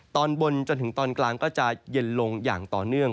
ตอนบนจนถึงตอนกลางก็จะเย็นลงอย่างต่อเนื่อง